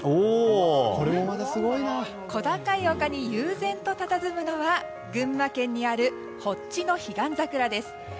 小高い丘に悠然とたたずむのは群馬県にある発知のヒガンザクラです。